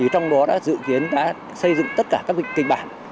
trong đó đã dự kiến xây dựng tất cả các kịch bản